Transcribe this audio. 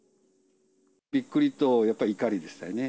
びっくりとやっぱり怒りですよね。